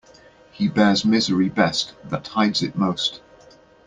He bears misery best that hides it most.